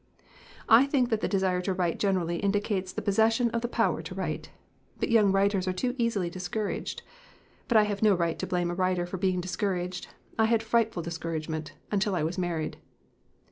"I think that the desire to write generally in dicates the possession of the power to write. But young writers are too easily discouraged. But I have no right to blame a writer for being dis couraged. I had frightful discouragement until I was married."